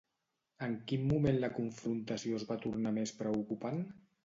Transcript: En quin moment la confrontació es va tornar més preocupant?